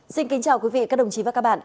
xin kính chào quý vị các đồng chí và các bạn